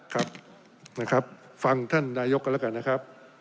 ครับฟังท่านนายกก็แล้วกันนะครับ